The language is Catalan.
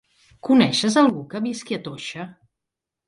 Coneixes algú que visqui a Toixa?